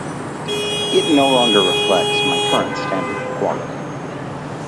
It no longer reflects my current standard of quality.